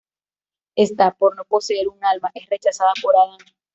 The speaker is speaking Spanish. Ésta, por no poseer un alma, es rechazada por Adán.